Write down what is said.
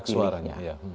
hak suaranya iya